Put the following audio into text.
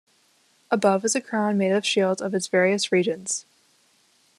Above is a crown made of shields of its various regions.